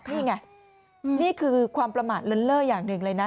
นี่ไงนี่คือความประมาทเลินเล่ออย่างหนึ่งเลยนะ